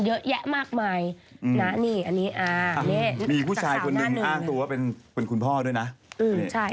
เกือบจะให้ฉันพูดอย่างเดียวแหละทั้งรายการ